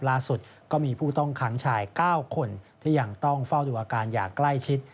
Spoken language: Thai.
ล่าสุดก็มีผู้ต้องขังชาย๙คนที่ยังต้องเฝ้าดูอาการอย่างใกล้ชิด